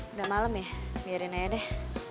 udah malam ya biarin aja deh